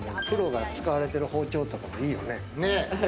プロが使われている包丁って、いいよね。